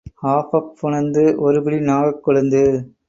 ஆபஃபுனந்து, ஒருபிடி நாகக் கொழுந்து.